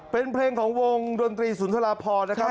เป็นเพลงของวงดนตรีสุนทราพรนะครับ